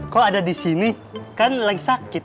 kok ada di sini kan lagi sakit